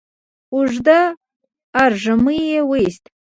اوږد ارږمی يې وايست،